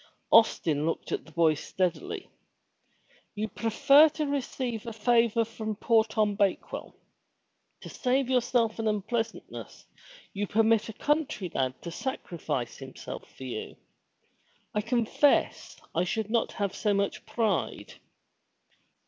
Austin looked at the boy steadily. "You prefer to receive a favor from poor Tom Bakewell? To save yourself an unpleasant ness you permit a country lad to sacrifice himself for you. I confess I should not have so much pride."